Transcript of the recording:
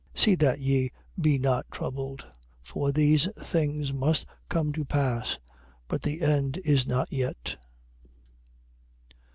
See that ye be not troubled. For these things must come to pass: but the end is not yet.